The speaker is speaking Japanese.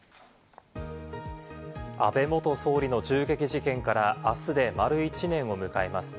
安倍元総理の銃撃事件から、あすで丸１年を迎えます。